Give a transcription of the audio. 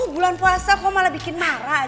bulan puasa kok malah bikin marah